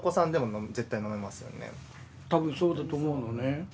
たぶんそうだと思うのね。